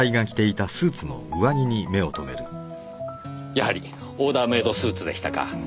やはりオーダーメードスーツでしたか。